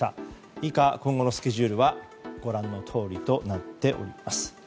以下、今後のスケジュールはご覧のとおりとなっています。